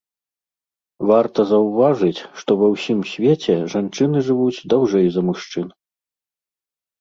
Варта заўважыць, што ва ўсім свеце жанчыны жывуць даўжэй за мужчын.